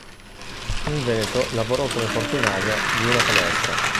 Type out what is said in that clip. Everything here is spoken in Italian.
In Veneto lavorò come portinaia di una palestra.